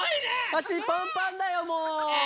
あしパンパンだよもう！